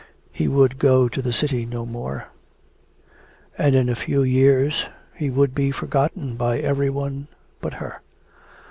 He would go to the city no more; and in a few years he would be forgotten by every one but her.